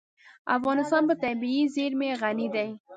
افغانستان په طبیعي زیرمې غني دی.